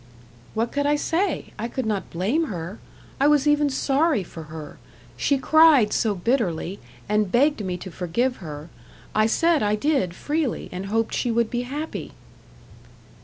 "What could I say? I could not blame her. I was even sorry for her. She cried so bitterly, and begged me to forgive her. I said I did freely, and hoped she would be happy."